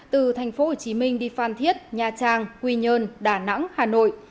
từ tp hcm đi phan thiết nha trang quy nhơn đà nẵng hà nội